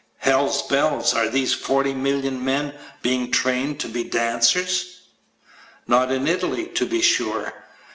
Hell's bells! Are these 40,000,000 men being trained to be dancers? Not in Italy, to be sure.